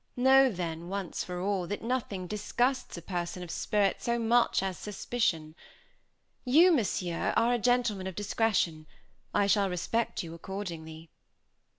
Know then, once for all, that nothing disgusts a person of spirit so much as suspicion. You, Monsieur, are a gentleman of discretion. I shall respect you accordingly."